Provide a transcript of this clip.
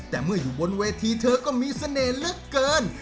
แต่เมื่ออยู่บนเวทีเธอก็มีเสน่ห์เหลือเกิน